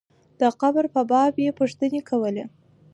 د قبر په باب یې پوښتنې کولې.